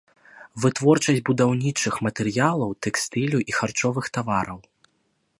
Вытворчасць будаўнічых матэрыялаў, тэкстылю і харчовых тавараў.